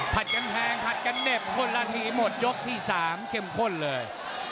ผลัดกันแทงผลัดกันเด็บคนละทีอีโมทยกที่๓เข้มข้นเลย